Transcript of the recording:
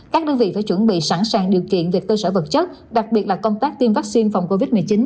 các đơn vị phải chuẩn bị sẵn sàng điều kiện về cơ sở vật chất đặc biệt là công tác tiêm vaccine phòng covid một mươi chín